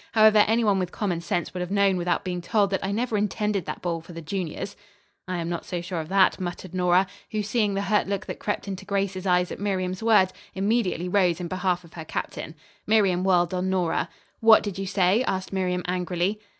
However, anyone with common sense would have known without being told that I never intended that ball for the juniors." "I am not so sure of that," muttered Nora, who, seeing the hurt look that crept into Grace's eyes at Miriam's words, immediately rose in behalf of her captain. Miriam whirled on Nora. "What did you say?" asked Miriam angrily.